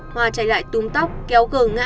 hoa chạy lại túng tóc kéo gờ ngã